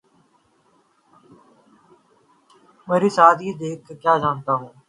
مری سادگی دیکھ کیا چاہتا ہوں